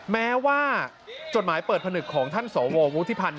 แม้ว่าจดหมายเปิดผนึกของท่านสววุฒิพันธ์